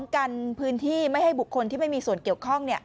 กันพื้นที่ไม่ให้บุคคลที่ไม่มีส่วนเกี่ยวข้อง